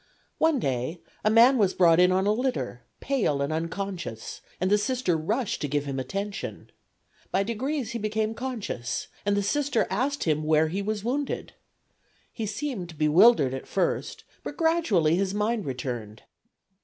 One day a man was brought in on a litter, pale and unconscious, and the Sister rushed to give him attention. By degrees he became conscious, and the Sister asked him where he was wounded. He seemed bewildered at first, but gradually his mind returned.